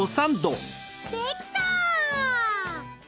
できた！